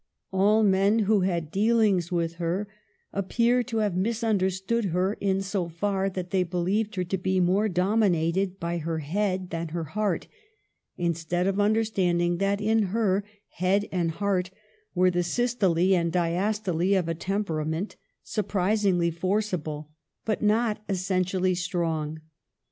All men who had dealings with her appear to have misunder stood her in so far that they believed her to be more dominated by her head than her heart — in stead of understanding that, in her, head and heart were the systole and diastole of a temper ament surprisingly forcible but not essentially strong.